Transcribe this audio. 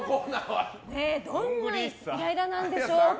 どんなイライラなんでしょうか。